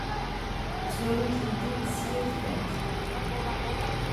Twalin-tent-id s yir tiṭ.